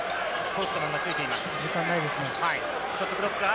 時間ないですね。